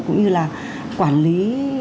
cũng như là quản lý